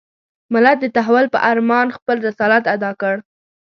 ملت د تحول په ارمان خپل رسالت اداء کړ.